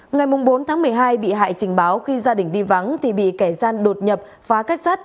ngày bốn tháng một mươi hai bị hại trình báo khi gia đình đi vắng thì bị kẻ gian đột nhập phá kết sắt